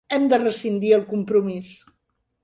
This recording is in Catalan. Hem de rescindir el compromís.